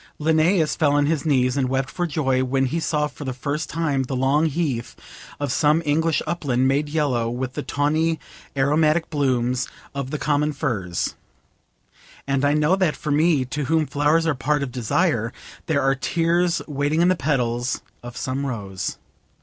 Linnaeus fell on his knees and wept for joy when he saw for the first time the long heath of some English upland made yellow with the tawny aromatic brooms of the common furze; and I know that for me, to whom flowers are part of desire, there are tears waiting in the petals of some rose.